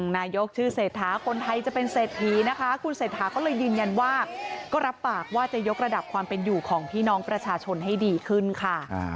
นายกชื่อเศรษฐาคนไทยจะเป็นเศรษฐีนะคะคุณเศรษฐาก็เลยยืนยันว่าก็รับปากว่าจะยกระดับความเป็นอยู่ของพี่น้องประชาชนให้ดีขึ้นค่ะ